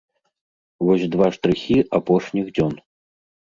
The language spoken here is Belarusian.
Вось два штрыхі апошніх дзён.